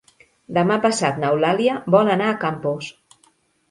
Demà passat n'Eulàlia vol anar a Campos.